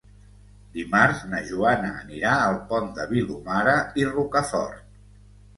Dimarts na Joana anirà al Pont de Vilomara i Rocafort.